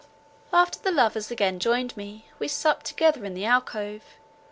After the lovers again joined me, we supped together in the alcove.